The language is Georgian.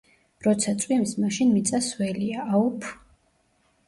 როცა წვიმს მაშინ მიწა სველია აუფ